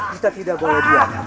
kita tidak bawa dia